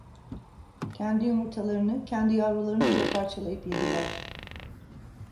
Kendi yumurtalarını, kendi yavrularını bile parçalayıp yediler.